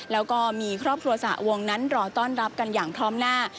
แล้วก็มีครอบครัวสหวงนั้นรอต้อนรับกันอย่างพร้อมหน้า